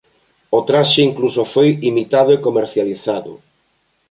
O traxe incluso foi imitado e comercializado.